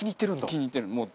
気に入ってるもう。